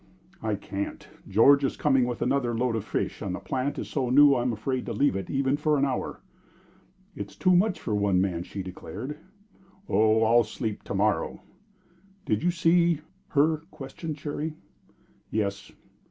"I can't. George is coming with another load of fish, and the plant is so new I am afraid to leave it even for an hour." "It's too much for one man," she declared. "Oh, I'll sleep to morrow." "Did you see her?" questioned Cherry. "Yes!"